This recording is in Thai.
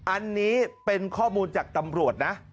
อันนี้เป็นข้อมูลจากตำรวจนะ